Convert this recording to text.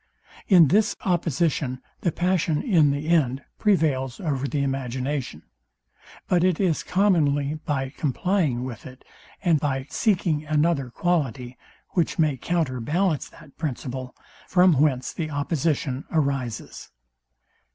In this opposition the passion in the end prevails over the imagination; but it is commonly by complying with it, and by seeking another quality, which may counter ballance that principle, from whence the opposition arises.